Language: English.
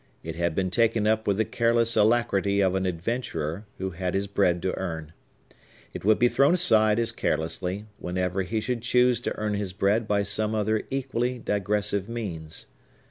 It had been taken up with the careless alacrity of an adventurer, who had his bread to earn. It would be thrown aside as carelessly, whenever he should choose to earn his bread by some other equally digressive means.